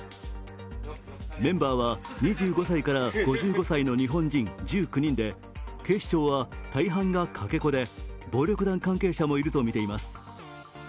メンバーは２５歳から５５歳の日本人１９人で、警視庁は大半がかけ子で暴力団関係者もいるとみています。